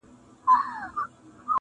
ګورم د پردي په رقم غلی رانه دی